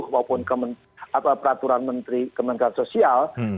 maupun peraturan menteri kementerian sosial